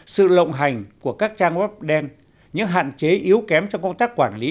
sự lộng hành của các trang web đen những hạn chế yếu kém trong công tác quản lý